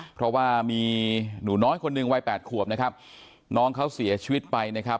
เพราะว่ามีหนูน้อยคนหนึ่งวัยแปดขวบนะครับน้องเขาเสียชีวิตไปนะครับ